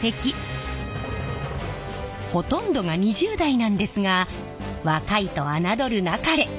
ほとんどが２０代なんですが若いと侮るなかれ！